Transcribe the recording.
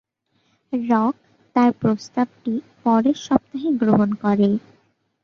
Rock তার প্রস্তাবটি পরের সপ্তাহে গ্রহণ করে।